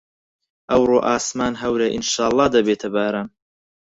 ئەوڕۆ ئاسمان هەورە، ئینشاڵڵا دەبێتە باران.